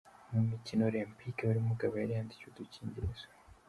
Mu mikino olempike buri mugabo yari yandikiwe udukingirizo .